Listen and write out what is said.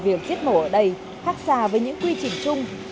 việc giết mổ ở đây khác xa với những quy trình chung